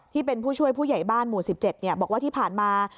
ที่เป็นผู้ช่วยผู้ใหญ่บ้านหมู่๑๗บอกว่าที่ผ่านมา